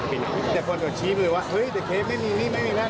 คนด่วนชีพเลยว่าเฮ้ยแต่เคฟไม่มีนะ